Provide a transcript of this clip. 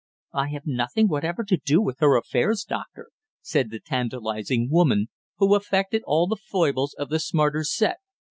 "I have nothing whatever to do with her affairs, Doctor," said the tantalising woman, who affected all the foibles of the smarter set.